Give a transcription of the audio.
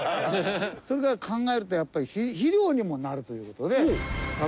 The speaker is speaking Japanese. それから考えるとやっぱり肥料にもなるという事でほっ！